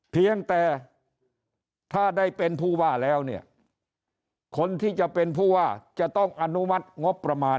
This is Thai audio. เพียงแต่ถ้าได้เป็นผู้ว่าแล้วเนี่ยคนที่จะเป็นผู้ว่าจะต้องอนุมัติงบประมาณ